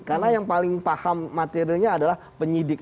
karena yang paling paham materinya adalah penyidik